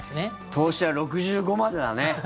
投資は６５までだね。